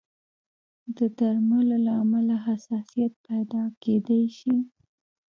د درملو له امله حساسیت پیدا کېدای شي.